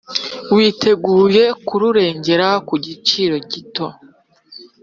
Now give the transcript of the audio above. Witeguye kururengera ku giciro gito